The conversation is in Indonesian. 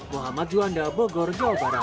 muhammad juanda bogor jawa barat